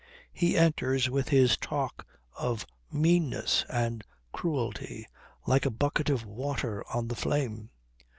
He enters with his talk of meanness and cruelty, like a bucket of water on the flame.